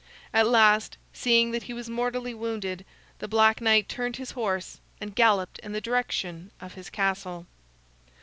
At last, seeing that he was mortally wounded, the Black Knight turned his horse and galloped in the direction of his castle.